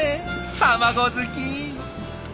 卵好き！